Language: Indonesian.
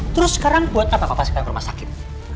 terus sekarang buat apa papa sekarang di rumah sakit